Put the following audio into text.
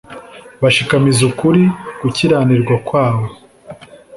bashikamiza ukuri gukiranirwa kwabo